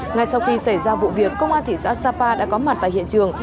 ngay sau khi xảy ra vụ việc công an thị xã sapa đã có mặt tại hiện trường